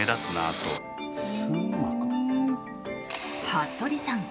服部さん